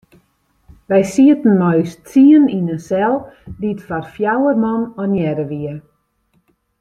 Wy sieten mei ús tsienen yn in sel dy't foar fjouwer man ornearre wie.